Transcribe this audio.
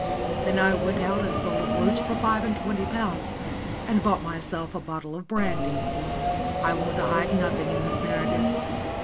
Then I went out and sold a brooch for five and twenty pounds, and bought myself a bottle of brandy. I want to hide nothing in this narrative.